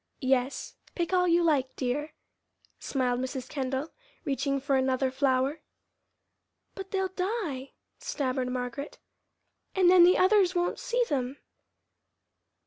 "Yes, pick all you like, dear," smiled Mrs. Kendall, reaching for another flower. "But they'll die," stammered Margaret, "and then the others won't see them."